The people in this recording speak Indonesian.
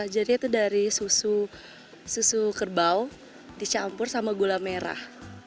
jadi itu dari susu kerbau dicampur sama gula merah